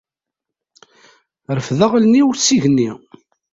Refdeɣ allen-iw s igenni.